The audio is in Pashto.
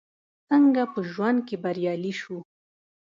څنګه په ژوند کې بريالي شو ؟